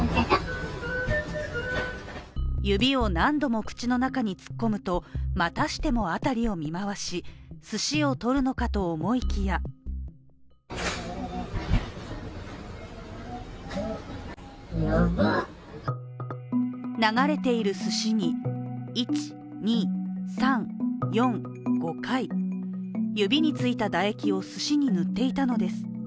指を何度も口の中に突っ込むとまたしても辺りを見回しすしをとるのかと思いきや流れているすしに１、２、３、４、５回、指についた唾液をすしに塗っていたのです。